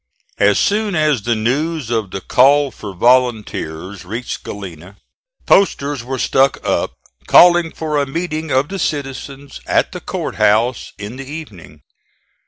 As soon as the news of the call for volunteers reached Galena, posters were stuck up calling for a meeting of the citizens at the court house in the evening.